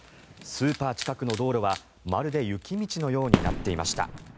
スーパー近くの道路はまるで雪道のようになっていました。